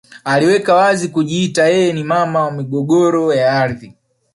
Akiweka wazi na kujiita yeye ni mama wa migogoro ya ardhi